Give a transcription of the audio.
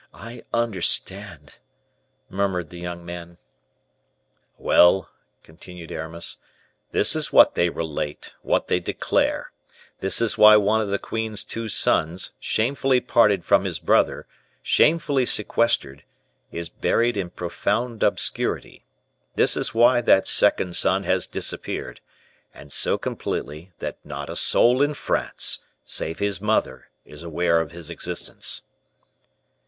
I understand!" murmured the young man. "Well," continued Aramis; "this is what they relate, what they declare; this is why one of the queen's two sons, shamefully parted from his brother, shamefully sequestered, is buried in profound obscurity; this is why that second son has disappeared, and so completely, that not a soul in France, save his mother, is aware of his existence."